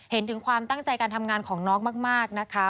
เห็นถึงความตั้งใจการทำงานของน้องมากนะคะ